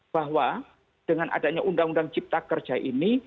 bahwa dengan adanya undang undang cipta kerja ini